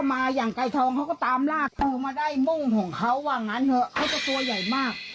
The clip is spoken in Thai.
สายทองเขาก็ตามรากเขามาได้มุ่งของเขาว่างั้นเขาก็ตัวใหญ่มาก